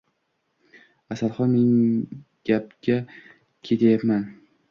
Asalxon, men gapga ketyapman